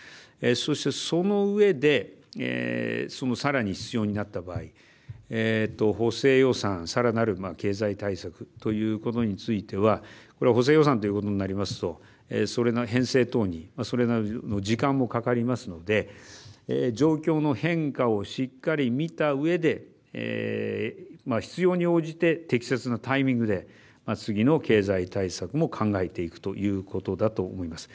そしてその上でさらに必要になった場合補正予算、さらなる経済対策ということについてはこれは補正予算ということになりますとそれの編成等にそれなりの時間もかかりますので状況の変化をしっかり見た上で必要に応じて適切なタイミングで次の経済対策も考えていくということだと思います。